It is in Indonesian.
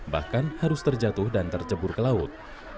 bahkan harus terjatuh dan tercebur ke laut